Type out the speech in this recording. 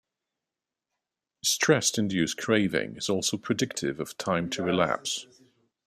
Stress-induced craving is also predictive of time to relapse.